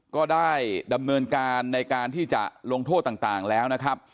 ก็ได้ดำเนินการในการที่จะลงโทษต่างแล้วนะครับ